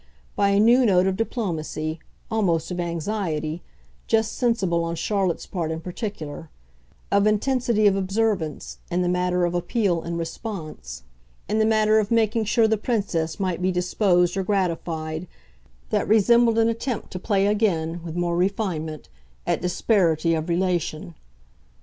by a new note of diplomacy, almost of anxiety, just sensible on Charlotte's part in particular; of intensity of observance, in the matter of appeal and response, in the matter of making sure the Princess might be disposed or gratified, that resembled an attempt to play again, with more refinement, at disparity of relation.